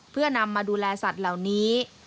เพื่อนำมาดูแลสัตว์เหล่านี้